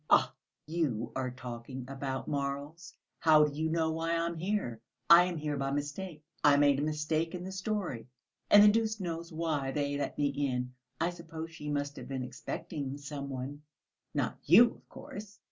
"Ah! you are talking about morals, how do you know why I'm here? I am here by mistake, I made a mistake in the storey. And the deuce knows why they let me in, I suppose she must have been expecting some one (not you, of course).